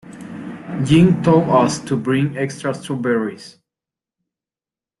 Ying told us to bring extra strawberries.